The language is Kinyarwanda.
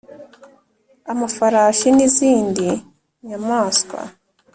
Amafarashi n izindi nyamaswa